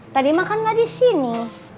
tadi makan gak disini